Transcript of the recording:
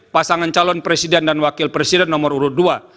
pasangan calon presiden dan wakil presiden nomor urut dua